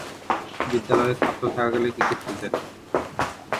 বিদ্যালয়ের ছাত্র থাকাকালে ক্রিকেট খেলতেন।